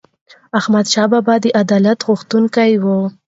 احمدشاه بابا د عدالت غوښتونکی و.